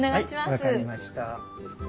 はい分かりました。